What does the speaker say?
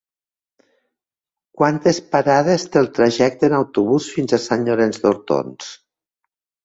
Quantes parades té el trajecte en autobús fins a Sant Llorenç d'Hortons?